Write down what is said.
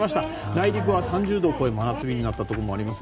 内陸は３０度を超え、真夏日になったところもあります。